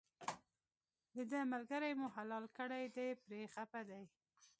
دده ملګری مو حلال کړی دی پرې خپه دی.